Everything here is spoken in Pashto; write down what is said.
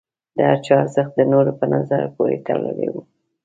د هر چا ارزښت د نورو په نظر پورې تړلی و.